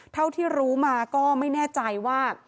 เท่าที่รู้มาก็ไม่แน่ใจว่า